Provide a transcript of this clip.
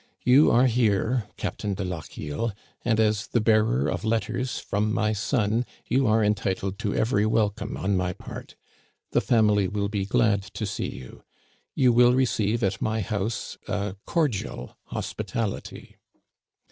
You are here, Captain de Lochiel, and as the bearer of letters from my son you are entitled to every welcome on my part. The family will be glad to see you. You will receive at my house — a cordial hospitality."